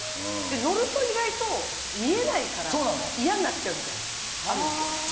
乗ると意外と見えないから嫌になっちゃうみたいな。